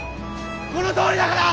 このとおりだから！